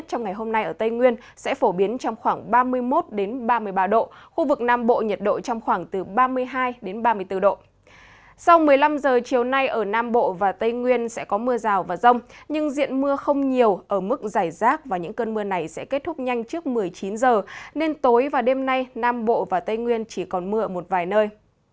trong một mươi năm h chiều nay ở nam bộ và tây nguyên sẽ có mưa rào và rong nhưng diện mưa không nhiều ở mức giải rác và những cơn mưa này sẽ kết thúc nhanh trước một mươi chín h nên tối và đêm nay nam bộ và tây nguyên chỉ còn mưa một vài nơi